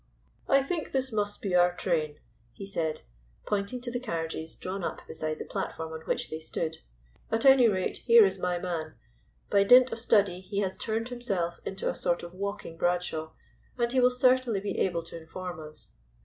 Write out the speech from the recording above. "I think this must be our train," he said, pointing to the carriages drawn up beside the platform on which they stood. "At any rate, here is my man. By dint of study he has turned himself into a sort of walking Bradshaw, and he will certainly be able to inform us."